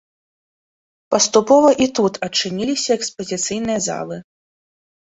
Паступова і тут адчыніліся экспазіцыйныя залы.